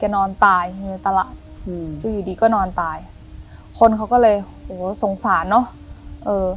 นอนตายอยู่ในตลาดอืมอยู่ดีก็นอนตายคนเขาก็เลยโหสงสารเนอะเออ